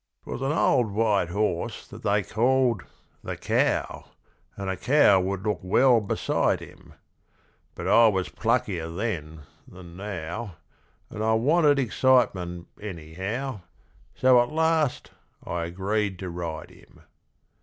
'Twas an old white horse that they called The Cow, And a cow would look well beside him; But I was pluckier then than now (And I wanted excitement anyhow), So at last I agreed to ride him.